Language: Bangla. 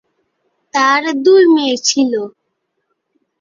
তার দুই মেয়ে ছিল।